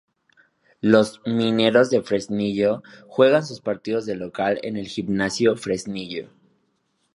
Los "Mineros de Fresnillo", juegan sus partidos de local en el Gimnasio Fresnillo.